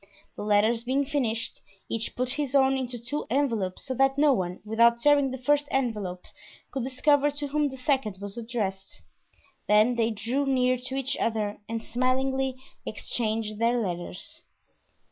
The letters being finished, each put his own into two envelopes, so that no one, without tearing the first envelope, could discover to whom the second was addressed; then they drew near to each other and smilingly exchanged their letters.